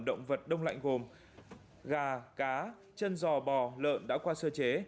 động vật đông lạnh gồm gà cá chân giò bò lợn đã qua sơ chế